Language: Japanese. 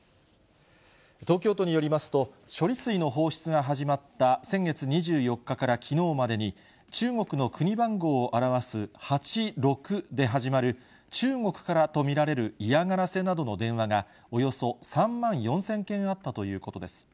東京都によりますと、処理水の放出が始まった先月２４日からきのうまでに、中国の国番号を表す８６で始まる、中国からと見られる嫌がらせなどの電話が、およそ３万４０００件あったということです。